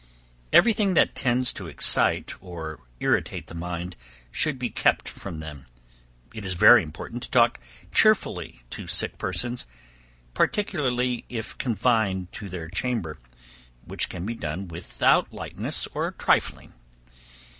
Everything that tends to excite or irritate the mind, should be kept from them. It is very important to talk cheerfully to sick persons, particularly if confined to their chamber, which can be done without lightness or trifling.